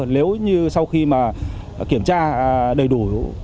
nếu như sau khi kiểm tra đầy đủ